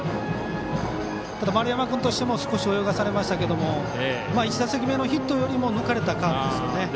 ただ、丸山くんとしては少し泳がされましたけれども１打席目のヒットよりも少し抜かれたカーブでしたよね。